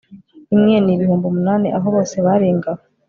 imwe n ibihumbi munani abo bose bari ingabo